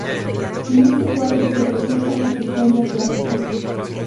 En este cuadro se representa una historia clásica.